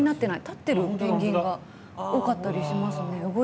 立ってるペンギンが多かったりしますね。